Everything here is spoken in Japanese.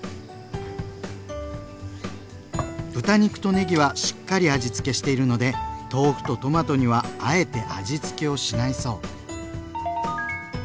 豚肉とねぎはしっかり味つけしているので豆腐とトマトにはあえて味つけをしないそう。